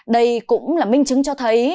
đây cũng là minh chứng cho thấy